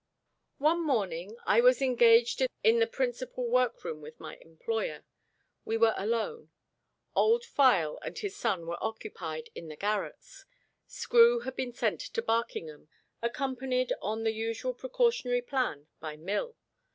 ONE morning I was engaged in the principal workroom with my employer. We were alone. Old File and his son were occupied in the garrets. Screw had been sent to Barkingham, accompanied, on the usual precautionary plan, by Mill.